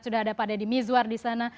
sudah ada pak deddy mizwar di sana